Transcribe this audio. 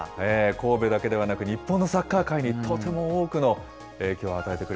神戸だけではなく日本のサッカー界にとても多くの影響を与え